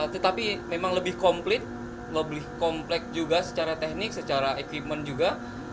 tetapi memang lebih komplit lebih komplek juga secara teknik secara equipment juga